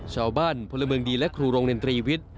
ชาวบ้านพลเมืองดีและครูโรงเรียนตรีวิทย์